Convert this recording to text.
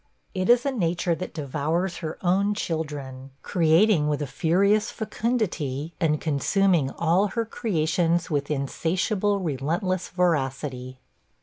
It is a nature that devours her own children; creating with a furious fecundity, and consuming all her creations with insatiable, relentless voracity.